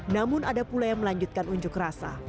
namun ada pula yang melanjutkan unjuk rasa